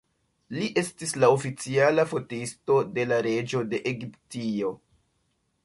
Li estis la oficiala fotisto de la reĝo de Egiptio.